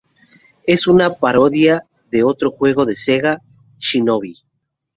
Es una parodia de otro juego de Sega, Shinobi.